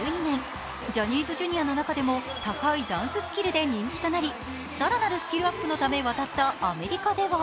ジャニーズＪｒ．の中でも高いダンススキルで人気となり、更なるスキルアップのため渡ったアメリカでは